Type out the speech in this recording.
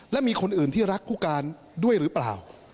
และมีคนอื่นที่รักผู้การด้วยหรือเปล่า